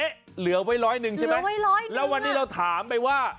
เอ๊ะเหลือไว้๑๐๐นึงใช่ไหมแล้ววันนี้เราถามไปว่า